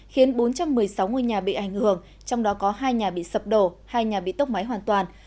khiến bốn trăm một mươi sáu ngôi nhà bị ảnh hưởng trong đó có hai nhà bị sập đổ hai nhà bị tốc máy hoàn toàn